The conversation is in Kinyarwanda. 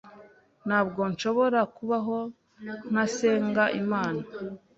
Ntabwo nshobora kubaho ntasenga Imana